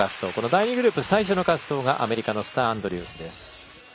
第２グループ最初の滑走がアメリカのスター・アンドリュースです。